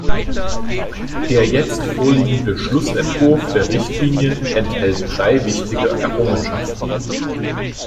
Der jetzt vorliegende Schlussentwurf der Richtlinie enthält drei wichtige Errungenschaften.